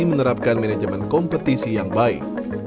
menerapkan manajemen kompetisi yang baik